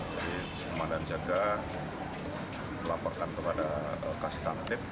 jadi pemanah jaga melaporkan kepada kasih tantip